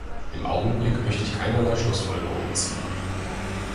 Im Augenblick möchte ich keinerlei Schlussfolgerungen ziehen.